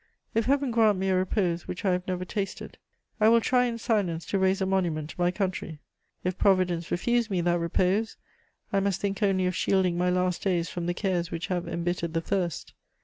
If Heaven grant me a repose which I have never tasted, I will try in silence to raise a monument to my country; if Providence refuse me that repose, I must think only of shielding my last days from the cares which have embittered the first.